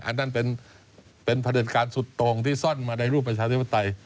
อันนั้นเป็นพระเด็จการสุดตรงที่ซ่อนมาในรูปประชาธิปไตย